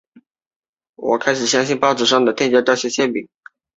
中太平洋飓风中心未能在飓风逼近前及时发布热带气旋警告或观察预警。